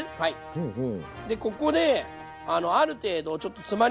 ふんふん。